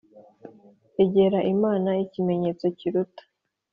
Egera Imana Ikimenyetso kiruta